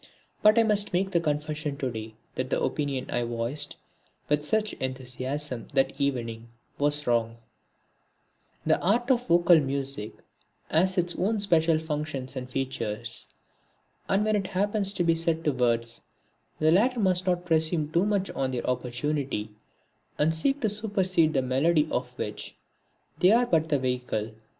But I must make the confession to day that the opinion I voiced with such enthusiasm that evening was wrong. The art of vocal music has its own special functions and features. And when it happens to be set to words the latter must not presume too much on their opportunity and seek to supersede the melody of which they are but the vehicle.